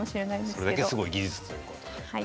それだけすごい技術ということですね。